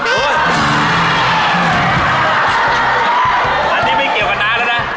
อันนี้ไม่เกี่ยวกับน้าแล้วนะ